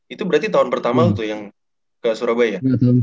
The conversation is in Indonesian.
itu berarti tahun pertama lu tuh yang ke surabaya